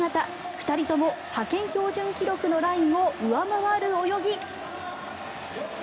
２人とも派遣標準記録のラインを上回る泳ぎ。